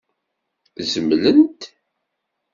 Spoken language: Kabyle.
Zemlent?